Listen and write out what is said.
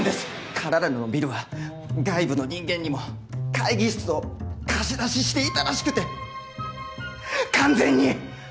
カラルナのビルは外部の人間にも会議室を貸し出ししていたらしくて完全に！